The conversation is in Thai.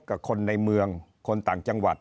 กับคนในเมืองคนต่างจังหวัด